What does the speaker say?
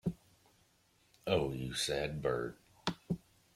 Oh, you sad bird!